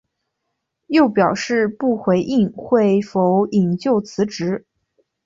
又表示不回应会否引咎辞职。